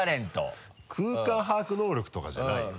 空間把握能力とかじゃないよ